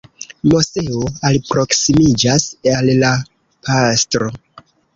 Moseo alproksimiĝas al la pastro.